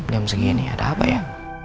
jam segini ada apa ya